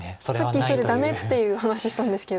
さっきそれダメっていう話ししたんですけど。